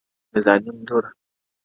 د ظالم لور ـ